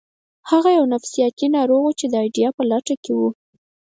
هغه یو نفسیاتي ناروغ و چې د ایډیال په لټه کې و